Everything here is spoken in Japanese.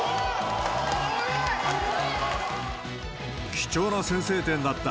貴重な先制点だった。